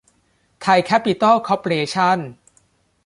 ไทย แคปปิตอล คอร์ปอเรชั่น